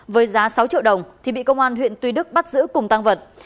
với giá sáu triệu đồng thì bị công an huyện tuy đức bắt giữ cùng tăng vật